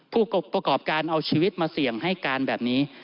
ผู้ประกอบการเอาชีวิตมาเสี่ยงให้การแบบนี้